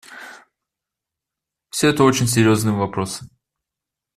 Все это очень серьезные вопросы.